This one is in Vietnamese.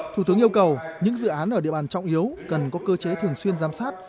thủ tướng yêu cầu những dự án ở địa bàn trọng yếu cần có cơ chế thường xuyên giám sát